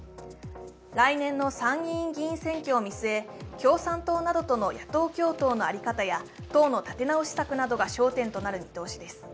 来年の参議院議員選挙を見据え、共産党などとの野党共闘の在り方や党の立て直し策などが焦点となる見込みです。